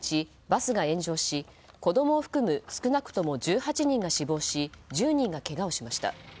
バスが炎上し、子供を含む少なくとも１８人が死亡し１０人がけがをしました。